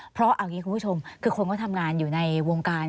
เพราะเอาอย่างนี้คุณผู้ชมคือคนก็ทำงานอยู่ในวงการ